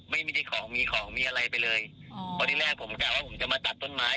ไม่มีที่ของมีของมีอะไรไปเลยอ๋อพอที่แรกผมกลับว่าผมจะมาตัดต้นไม้